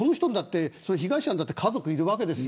被害者にだって家族がいるわけです。